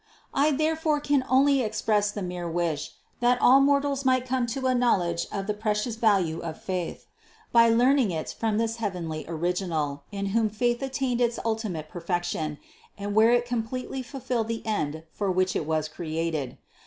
I there fore can only express the mere wish, that all mortals might come to a knowledge of the precious value of faith, by learning it from this heavenly Original, in whom THE CONCEPTION 385 faith attained its ultimate perfection and where it com pletely fulfilled the end for which it was created.